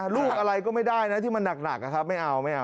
ลูกอะไรก็ไม่ได้นะที่มันหนักนะครับไม่เอาไม่เอา